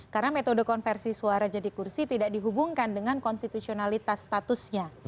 karena metode konversi suara jadi kursi tidak dihubungkan dengan konstitusionalitas statusnya